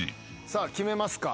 さあ決めますか。